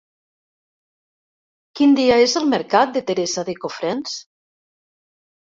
Quin dia és el mercat de Teresa de Cofrents?